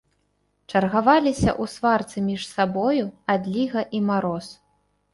Чаргаваліся ў сварцы між сабою адліга і мароз.